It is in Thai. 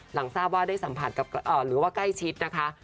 หลังทราบว่าได้สัมผัสหรือว่าใกล้ชิดนะคะ